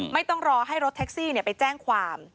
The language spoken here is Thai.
ไม่ต้องรอให้รถแท็กซี่ไปแจ้งความ